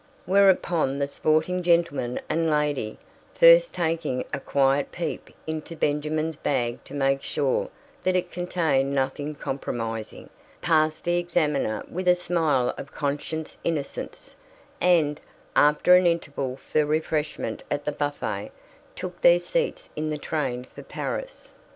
Whereupon the sporting gentleman and lady, first taking a quiet peep into Benjamin's bag to make sure that it contained nothing compromising, passed the examiner with a smile of conscious innocence, and, after an interval for refreshment at the buffet, took their seats in the train for Paris.